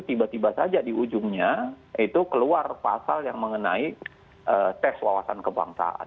tiba tiba saja di ujungnya itu keluar pasal yang mengenai tes wawasan kebangsaan